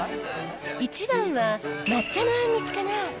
一番は抹茶のあんみつかな。